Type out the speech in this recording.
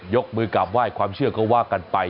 ยกมือกลับไหว้ความเชื่อก็ว่ากันไป